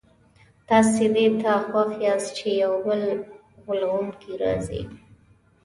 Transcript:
تاسي دې ته خوښ یاست چي یو بل غولونکی راځي.